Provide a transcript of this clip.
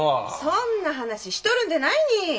そんな話しとるんでないに。